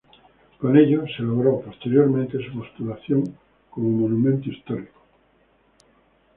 Con ello se logró, posteriormente, su postulación como Monumento Histórico.